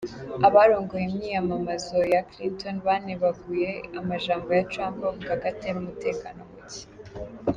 Abarongoye imyiyamamazo ya Clinton banebaguye amajambo ya Trump bavuga ko atera umutekano muke.